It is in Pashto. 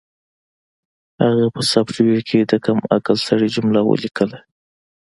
هغه په سافټویر کې د کم عقل سړي جمله ولیکله